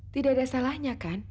tidak ada salahnya kan